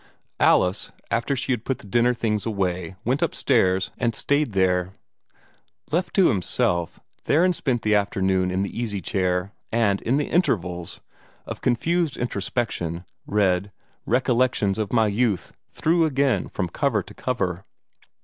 Alice, after she had put the dinner things away, went upstairs, and stayed there. Left to himself, Theron spent the afternoon in the easy chair, and, in the intervals of confused introspection, read "Recollections of my Youth" through again from cover to cover.